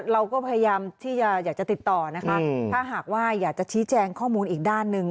เราก็พยายามที่จะอยากจะติดต่อนะคะถ้าหากว่าอยากจะชี้แจงข้อมูลอีกด้านหนึ่ง